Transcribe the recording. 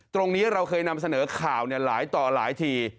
เราเคยนำเสนอข่าวหลายต่อหลายที